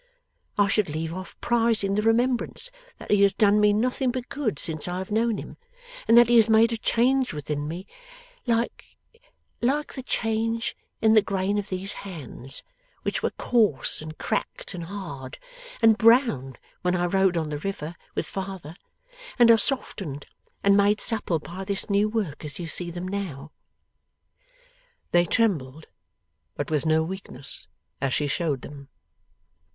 I should leave off prizing the remembrance that he has done me nothing but good since I have known him, and that he has made a change within me, like like the change in the grain of these hands, which were coarse, and cracked, and hard, and brown when I rowed on the river with father, and are softened and made supple by this new work as you see them now.' They trembled, but with no weakness, as she showed them.